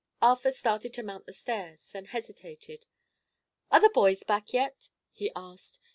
Arthur started to mount the stairs; then hesitated. "Are the boys back yet?" he asked.